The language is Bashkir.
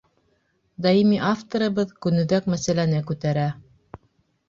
Даими авторыбыҙ көнүҙәк мәсьәләне күтәрә.